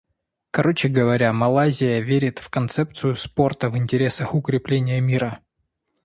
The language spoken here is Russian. Короче говоря, Малайзия верит в концепцию спорта в интересах укрепления мира.